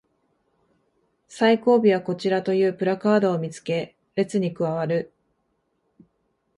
最後尾はこちらというプラカードを見つけ列に加わる